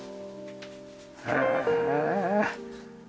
へえ。